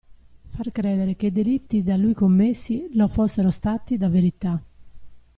Far credere che i delitti da lui commessi lo fossero stati da Verità.